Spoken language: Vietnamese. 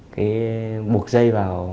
cái buộc dây vào